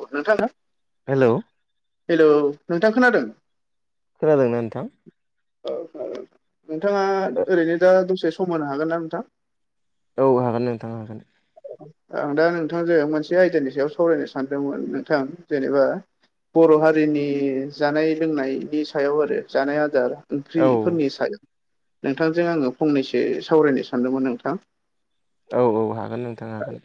औ नोंथां ना? हेल'। हेल' नोंथां खोनादों? खोनादोंना नोंथां? औ नोंथाङा ओरैनो दा दसे सम होनो हागोन ना नोंथां? औ हागोन नोंथां हागोन। आं दा नोंथांजों मोनसे आयदानि सायाव सावरायनो सानदोंमोन नोंथां जेनेबा बर' हारिनि जानाय लोंनायनि सायाव आरो। जानाय आदार औ ओंख्रिफोरनि सायाव नोंथांजों आङो फंनैसो सावरायनो सानदोंमोन नोंथां? औ औ हागोन नोंथां हागोन।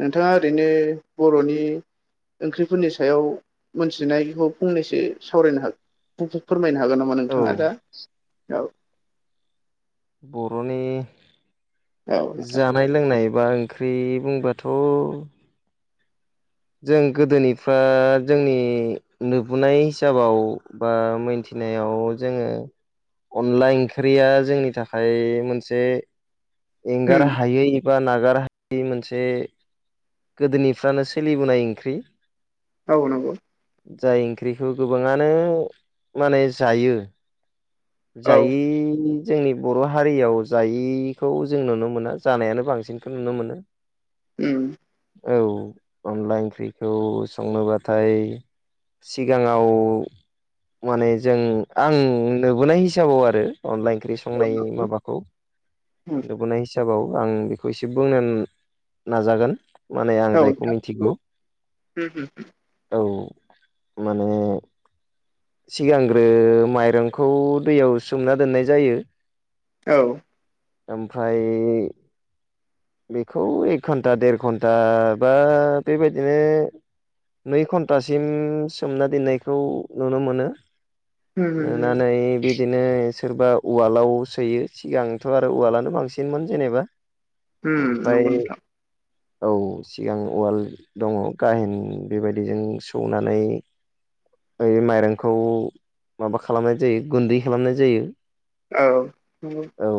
नोंथाङा ओरैनो बर'नि ओंख्रिफोरनि स सायाव मोनथिनायखौ फंनैसो सावरायनो हागोन। खौ फोरमायनो हागोन नामा औ नोंथाङा दा? औ। बर'नि औ नोंथां जानाय लोंनाय बा ओंख्रि बुंबाथ' जों गोदोनिफ्रा जोंनि नुबोनाय हिसाबाव बा मोनथि फिनायाव जोङो अनला ओंख्रिया जोंनि थाखाय मोनसे एगार हायो बा नागारहायि मोनसे गोदोनिफ्रानो सोलिबोनाय ओंख्रि औ नंगौ। जाय ओंख्रिखौ गोबाङानो माने जायो। जायै जोंनि बर' हारियाव जायि खौ जों नुनो मोना। जानायानो बांसिनखौ नुनो मोनो। उम। औ अनला ओंख्रिखौ संनोबाथाय सिगाङाव माने जों आं नुबोनाय हिसाबाव आरो अनलाइ ओंख्रि संनाय माबाखौ नुबोनाय हिसाबाव आं बेखौ एसे बुंनो नाजागोन। माने आं औ औ जायखौ मिथिगौ। होम होम औ माने सिगांग्रो माइरंखौ दैयाव सोमना दोननाय जायो। औ। ओमफ्राय बेखौ एक घन्टा देर घन्टा बा बे बायदिनो नै घन्टासिम सोमना दोननायखौ नुनो मोनो। होम होम नुनानै बिदिनो सोरबा उवालाव सोयो सिगांथ' आरो उवालानो बांसिनमोन जेनेबा होम ओमफ्राय नंगौ नोंथां औ सिगां उवाल दङ गाहेन बे बायदिजों सौनानै ओ माइरंखौ माबा खालामनाय जायो। गुन्दै खालामनाय जायो। औ नंगौ। औ।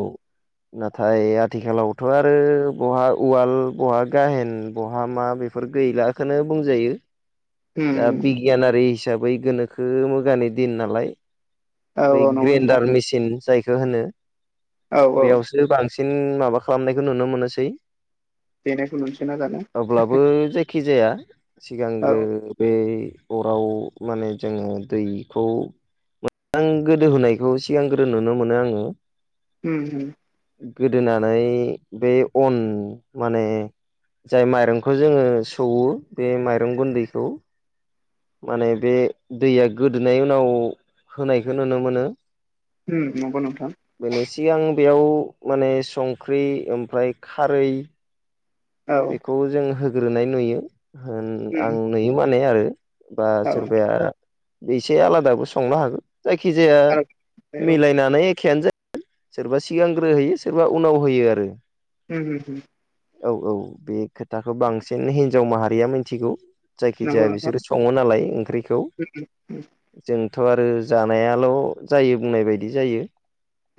नाथाय आथिखालावथ' आरो बहा उवाल, बहा गाहेन, बहा मा बे फोर गैलाखौनो बुंजायो। [inaudible] दा बिगियानारि हिसाबै गोनोखो मोजानि दिन नालाय। औ बै औ नंगौ नोंथां ग्रेन्डार मेसिन जायखौ होनो। औ औ बेयावसो बांसिन माबा खालामनायखौ नुनो मोनोसै। देनायखौ नुनोसै ना दाना अब्लाबो जायखि जाया औ सिगांग्रो बे अराव माने जोङो दैखौ आं गोदो होनायखौ सिगां गोदो नुनो मोनो आङो उम होम। गोदोनानै बे अन माने जाय माइरंखौ जोङो सौवो बे माइरं गुन्दैखौ माने बे दैया गोदोननि उनाव होनायखौ नुनो मोनो। उम नंगौ नोंथां। बेनि सिगां बेयाव माने संख्रि ओमफ्राय खारै औ बेखौ जों होग्रोनाय नुयो होन आं नुयो माने आरो। बा औ आरो सोरबाया एसे आलादाबो संनो हागो। जायखिजाया औ मिलायनानै एखेनो जा सोरबा सिगांग्रो होयो सोरबा उनाव होयो आरो। [inaudible] औ औ बे खोथाखौ बांसिन हिनजाव माहारिया मिथिगौ। जायखिजाया नोंथां औ बिसोरो सङो नालाय ओंख्रिखौ। जोंथ' आरो जानायाल' जायो बुंनाय बायदि जायो।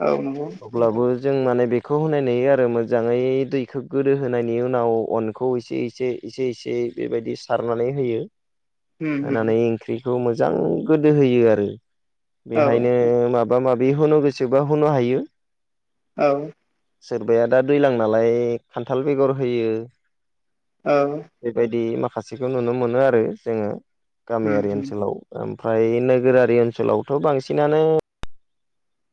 औ नंगौ। अब्लाबु जों माने बेखौ होनाय नुयो आरो मोजाङै दैखौ गोदो होनायनि उनाव अनखौ एसे एसे एसे इसे बेबायदि सारनानै होयो। होम होम होनानै ओंख्रिखौ मोजां गोदो होयो आरो औ बेहायनो मा बा माबि होनो गोसोबा होनो हायो। औ। सोरबाया दा दैलां नालाय खान्थाल बेगर होयो। औ। बेबायदि माखासेखौ नुनो मोनो आरो जोङो होम गामियारि होम ओनसोलाव ओमफ्राय नोगोरारि ओनसोलावथ' बांसिनानो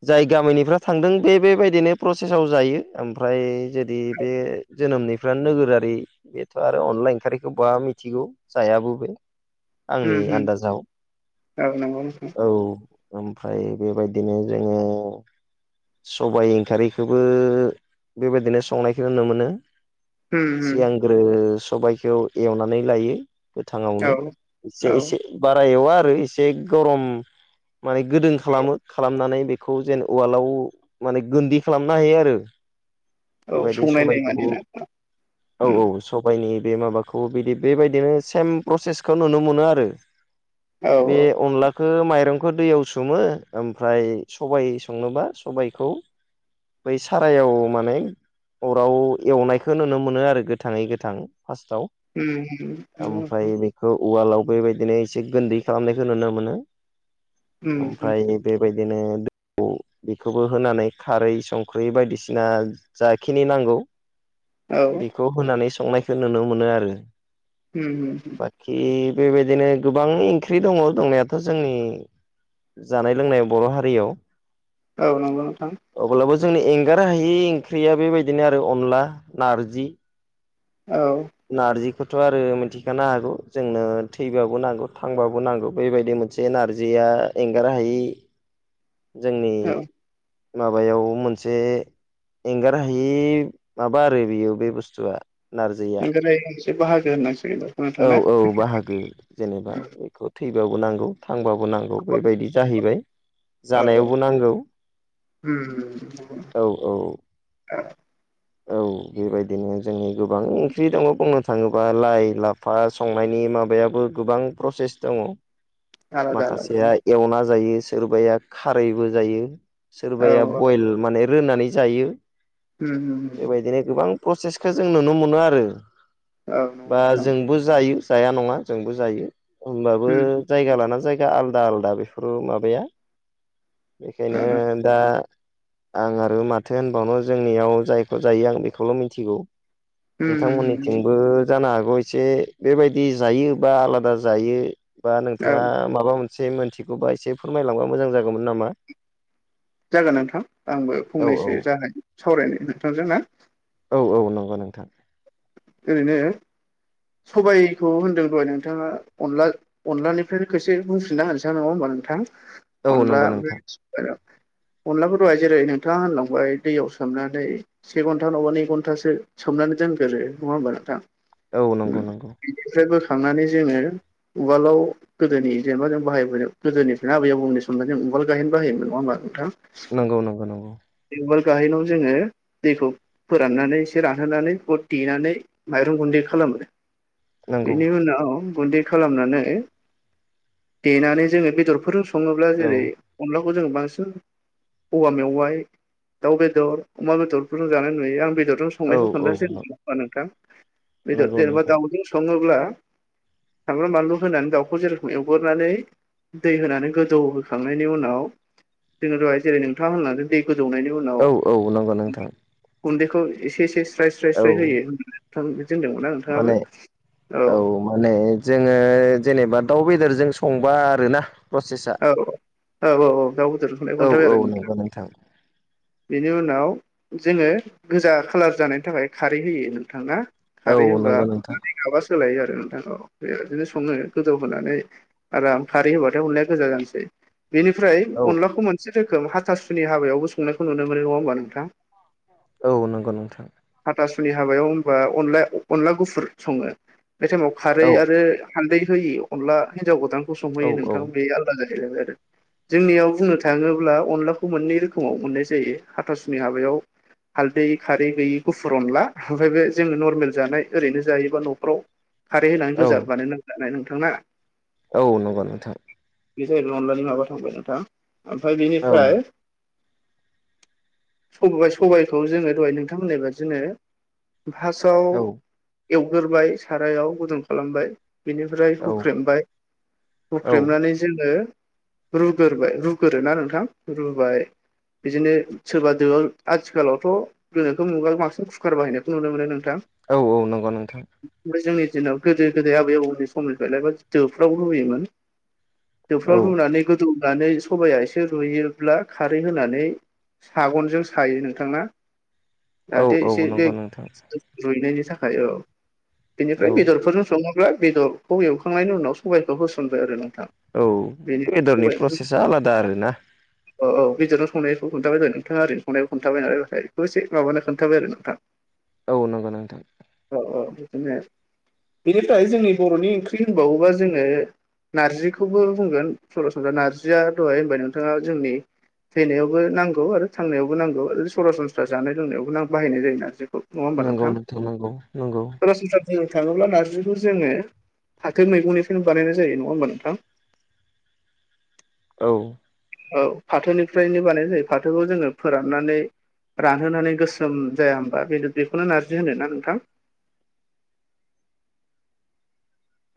जाय गामिनिफ्रा थांदों बे बेबायदिनो प्रसेसआव जायो ओमफ्राय जुदि बे जोनोमनिफ्रा नोगोरारि बेथ' आरो अनलााय ओंखखारखौ बा मिथिगौ जायाबो बे। आंनि होम होम आन्दाजाव औ नंगौ नोंथां औ ओमफ्राय बेबायदिनो जोङो सबाय ओंखखारैखौबो बेबायदिनो संनायखौ नुनो मोनो। होम होम सिगांग्रो सबायखौ एवनानै लायो। गोथाङावनो एसे औ औ एसे बारा एवा आरो एसे गरम माने गोदों खालामो खालामनानै बेखौ जेन उवालाव माने गुन्दै खालामनो हायो आरो। औ बेबायदि सौनायनाय समायखौ माने ना औ होम औ। सबायनि बे माबाखौ बिदि बेबायदिनो सेम प्रसेसखौ नुनो मोनो आरो। औ बे औ अनला बेखौ माइरंखौ दैयाव सोमो ओमफ्राय सबाय संनोबा सबायखौ बै सारायाव माने अराव एवनायखौ नुनो मोनो आरो गोथाङै गोथां फार्स्टाव। होम होम नंगौ ओमफ्राय नोंथां नि उवालाव बेबायदिनो एसे गोन्दै खालामनायखौ नुनो मोनो। होम होम ओमफ्राय बेबायदिनो द बेखौबो होनानै खारै संख्रि बायदिसिना जाखिनि नांगौ औ बेखौ होनानै संनायखौ नुनो मोनो आरो। उम उम। बाखि बेबायदिनो गोबां ओंख्रि दङ दंनायाथ' जोंनि जानाय लोंनाय बर' हारियाव औ नंगौ नोंथां अब्लाबो जोंनो एंगार हायि ओंख्रिया बेबायदिनो आरो अनला नारजि औ नारजिखौथ' आरो मिथिखानो हागौ जोंनो थैबाबो नांगौ थांबाबो नांगौ बेबायदि मोनसे मोनसे नारजिया एंगार हायि जोंनि औ माबायाव मोनसे एंगार हायि माबा आरो बेयो बे बुस्थुआ नारजिया एंगारनो हायि मोनसे बाहागो होननांसिगोन आरो औ औ बाहागो जेनेबा बेखौ थैबाबो नांगौ थांबाबो नांगौ बेबायदि जाहैबाय औ जानायावबो नांगौ औ औ औ बेबायदिनो जोंनि गोबां ओंख्रि दङ बुंनो थाङोब्ला लाइ लाफा फा संनायनि माबायाबो गोबां प्रसेस दङ आलादा आलादा माखासेया एवना जायो सोरबाया खारैबो जायो औ सोरबाया बयल माने रोननानै जायो उम बिदिनो गोबां प्रसेसखौ जों नुनो मोनो आरो नंगौ बा नोंथां जोंबो जायो जाया नङा जोंबो जायो होमबाबो जायगा लाना जायगा आलादा आलादा बेफोरो माबाया बेखायनो दा आं आरो माथो होनबावनो जोंनियाव जायखौ जायो आं बेखौल' मिथिगौ नोंथांमोननिथिंबो जानो हागौ एसे बेबायदि जायो बा आलादा जायो बा औ नोंथाङा माबा मोनसे मोनथिगौबा एसे फोरमायलांबा मोजां जागौमोन नामा जागोन नोंथां आंबो औ फंनैसो जानायनि सावरायनो नोंथांजों ना औ औ नंगौ नोंथां ओरैनो सबायखौ होनदों दोहाय नोंथाङा अनला अनलानिफ्राय खसे बुंफिनना होनसां नङा होनोमबा औ नोंथां अनला नंगौ नोंथां [unintelligible] अनलाफोर दहाय जेरै नोंथाङा होनलांबाय दैयाव सोमनानै से घन्टा नङाबा नै घन्टासो सोमनानै दोनगोरो नङा होमबा नोंथां औ नंगौ नंगौ बेनिफ्राय बोखांनानै जोङो उवालाव गोदोनि जेनबा जों बाहाय गोदोनिफ्रायनो आबै आबुंनि समाव जों उवाल गाहेन बाहायोमोन नङा होमबा नोंथां नंगौ नंगौ नंगौ बे वाल गाहेनावनो जोङो दैखौ फोराननानै एसे रानहोनानै बेखौ देनानै माइरं गुन्दै खालामो नंगौ बेनि उनाव गुन्दै खालामनानै देनानै जो बेदरफोरजों सङोब्ला औ जेरै अनला खौ जों बांसिन औवा मेवाइ दाउ बेदर अमा बेदरफोरखौ जानाय नुयो आं बेदरजों सं औ संनायखौ खोन्थासै औ होनब्ला नोंथां बेदर नंगौ जेनेबा नोंथां दाउजों सङोब्ला सानब्रु बानलु होनानै दाउखौ जेरेखम एवगरनानै दै होनानै गोदौहोखांनायनि उनाव जोङो दहाय जेरै थां होनलांदों दै गोदौनायनि उनाव औ औ नंगौ नोंथां गुन्दैखौ एसे एसे स्राय स्राय औ स्राय होयो थां बिदि होनदोंमोन ना माने नोंथाङाबो औ माने जोङो जेनेबा दाउ बेदरजों संबा आरोना प्रसेसा औ औ औ दाउ बेदरजो संनायखौ औ खन्थाब औ आरो नोंथां नंगौ बेनि उनाव जोङो गोजा खालार जानायनि थाखाय खारै होयो नोंथां औ खारै होबा नंगौ नोंथां माबा सोलायो आरो नोंथां बेदिनो सङनो गोदौ होनानै आराम खारै होबाथाय अनलाया गोजा जानोसै बेनिफ्राय औ अनलाखौ मान एसे रोखोम हाथासुनि हाबायावबो संनायखौ नुनो मोनो नङा होनोमबा नोंथां? औ नंगौ नोंथां हाथासुनि हाबायाव होनोमबा अन अनला गुफुर सङो। बे टाइमाव खारै औ आरो हान्दै होयो अनला हिन्जाव गोदानखौ औ संहैयो औ नोंथां बे आरो फुरा जाहोयबाय आरो जोंनियाव बुंनो थाङोब्ला अनलाखौ मोननै रोखोमाव मोननाय जायो हाथासुनि हाबायाव हालदै खारै गैयि गुफुर अनला ओमफ्राय बे जोङो नरमेल जानाय ओरैनो जायोबा न'फ्राव खारै होनानै औ गोजा बानाय नांजानाय नोंथांना। औ नंगौ नोंथां बे जाहैबाय अनलानि माबा थांबाय नोंथां ओमफ्राय औ बिनिफ्राय सबाय सबायखौ जोङो दहाय नोंथांहोननायबादिनो औ फार्स्टआव एवग्रोबाय सारायाव गुदुं खालामबाय बेनिफ्राय औ हुख्रेमबाय औ हुख्रेमनानै जोङो रुग्रोबाय रुग्रो ना नोंथां रुबाय बिदिनो सोरबा दोआव आथिखालावथ' गोनोखौ मुगायाव बांसिन कुकार बाहायनायखौ नुनो मोनो नोंथां। औ औ नंगौ नोंथां। ओमफ्राय जोंनि दिनाव गोदो गोदाय आबै आबौनि समनिफ्रायलायबा दोफ्राव लुैयोमोन औ जोफ्राव रुनानै गोदौनानै सबाया एसे रुयोब्ला खारै होनानै सागनजों सायो नोंथांना औ दाथे औ एसे बे नंगौ नोंथां रुइनायनि थाखाय औ बेनिफ्राय औ बेदरफोरजों संनांगौ ना, बेदरखौ एवखांनायनि उनाव सबबायखौ होसनबाय आरो नोंथां। औ बेनि बेदरनि सबायखौ प्रसेसा आलादा आरोना औ औ गेजेरावसंनायखौ खोथाबाय जादों नोंथाङा ओरैंनाय संनायखौ खन्थाबायनालाय जाबायहाय बेखौ एसे माबानो खोनथाबाय आरो नोंथां। [inaudible] औ नंगौ नोंथां औ औ बेदिनो बेनिफ्राय जोंनि बर'नि ओंख्रि होनबावोबा जोङो नारजिखौ खौबो बुंगोन सरासनस्रा नारजिया दहाय होनबाय नोंथाङा जोंनि थैनायावबो नांगौ आरो थांनायावबो नांगौ आरो सरासनस्रा जानाय लोंनायावबो बाहायनाय जायो नारजिखौ। नङा होमबा नंगौ नोंथां नंगौ नंगौ सरासनस्रा बुंनो थाङोब्ला नार्जिखौ जोङो फाथो मैगंनिफ्रायनो बानायनाय जायो नङा होमबा नोंथां? औ औ फाथोनिफ्रायनो बानायनाय जायो फाथोखौ जोङो फोराननानै रानहोनानै गोसोम जाया होमबा बेनो बेखौनो नारजि होनो ना नोंथां?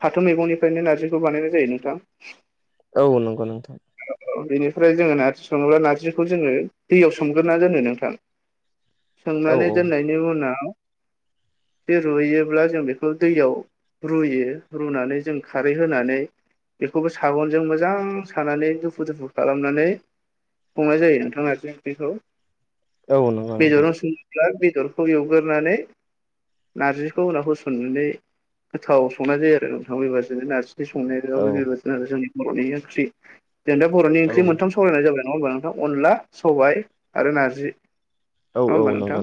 फाथो मैगंनिफ्रायनो नारजिखौ बानायनाय जायो नोंथां औ नंगौ नोंथां बेनिफ्राय जोङो नारजि सङोब्ला नारजिखौ जोङो दैयाव सोमग्रोना दोनो नोंथां औ सोमनानै दोननाय बेनि उनाव बे रुहैयोब्ला जों बेखौ दैयाव रुयो रुनानै जों खारै होनानै बेखौबो सागनजों मोजां सानानै दुफु दुफु खालामनानै संनाय जायो नोंथां नरजि ओंख्रिखौ औ नंगौ नोंथां बेदराव सं ब्ला बेदरखौ एवगोरनानै नारजिखौ होनाव होसननानै गोथाव संना जायो आ औ नोंथाङाबो एबारसो नारजि औ संनायाबो बेबायादनो आरो जोंनि बर'नि ओंख्रि जों दा बर'नि औ ओंख्रि मोनथाम सालरायनाय जाबाय नङा होनोमा नोंथां अनला, सबाय आरो नारजि औ नङ औ होमबा नोंथां नंगौ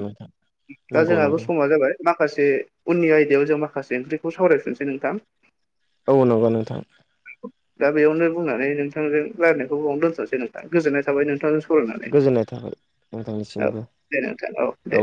दा नंगौ जोंहाबो नंगौ समा जाबाय। माखासे उननि आयदायाव जों माखासे ओंख्रिखौ सावरायफिननोसै नोंथां। औ नंगौ नोंथां दा बेयावनो बुंनानै नोंथांजों रायलायनायखौ बावनो दोनथ'सै नोंथां गोजोन्नाय थाबाय नोंथांजों नानै गोजोननाय थाबाय औ नोंथांनिसिमबो दे नोंथां औ दे।